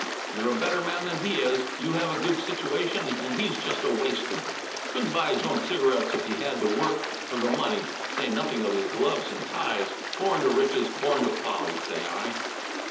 You're a better man than he is. You have a good situation and he's just a waster; couldn't buy his own cigarettes if he had to work for the money, say nothing of his gloves and ties. Born to riches, born to folly, say I.